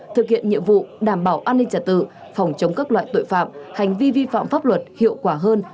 thực hiện nhiệm vụ đảm bảo an ninh trả tự phòng chống các loại tội phạm hành vi vi phạm pháp luật hiệu quả hơn